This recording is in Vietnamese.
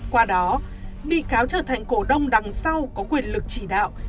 qua đó bị cáo trở thành cổ đông đằng sau có quyền lực chỉ đạo